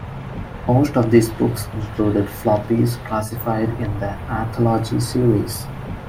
Most of these books included floppies classified in the Anthology series.